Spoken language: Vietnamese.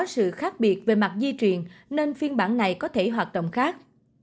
nếu có sự khác biệt về mặt di truyền nên phiên bản này có thể hoạt động khác